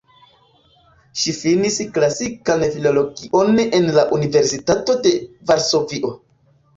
Ŝi finis klasikan filologion en la Universitato de Varsovio.